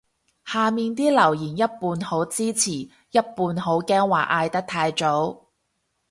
下面啲留言一半好支持一半好驚話嗌得太早